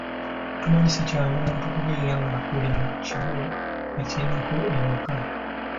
Tumanyi si kyangu muntu kubeera nga buli kimu akirina ewaka.